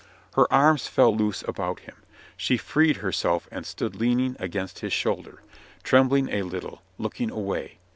... Her arms fell loose about him; she freed herself and stood leaning against his shoulder, trembling a little, looking away.